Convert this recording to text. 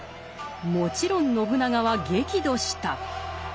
もちろん信長は激怒した。